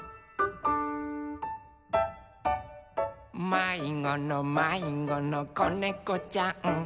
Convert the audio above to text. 「まいごのまいごのこねこちゃん」